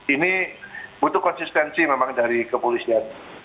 ini butuh konsistensi memang dari kepolisian